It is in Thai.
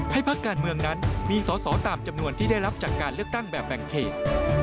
พักการเมืองนั้นมีสอสอตามจำนวนที่ได้รับจากการเลือกตั้งแบบแบ่งเขต